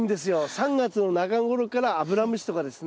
３月の中頃からアブラムシとかですね。